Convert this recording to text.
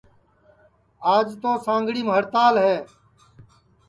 آج توسانگڑیم ہڑتال